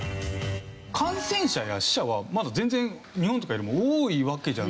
感染者や死者はまだ全然日本とかよりも多いわけじゃないですか。